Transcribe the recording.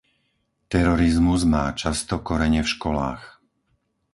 Terorizmus má často korene v školách.